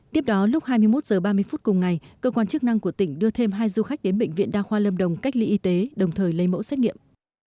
tiếp đó lúc hai mươi một h ba mươi phút cùng ngày cơ quan chức năng của tỉnh đưa thêm hai du khách đến bệnh viện đa khoa lâm đồng cách ly y tế đồng thời lấy mẫu xét nghiệm